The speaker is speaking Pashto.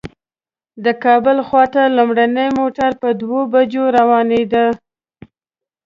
د کابل خواته لومړی موټر په دوو بجو روانېده.